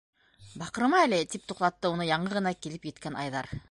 - Баҡырма әле! - тип туҡтатты уны яңы ғына килеп еткән Айҙар.